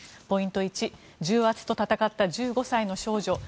ポイント１重圧と闘った１５歳の少女。